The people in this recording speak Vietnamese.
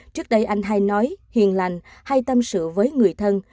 trước đây anh hay nói hiền lành hay tâm sự với người thân